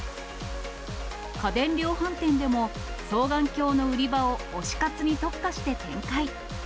家電量販店でも、双眼鏡の売り場を推し活に特化して展開。